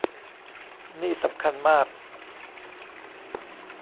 นี่สำคัญมาก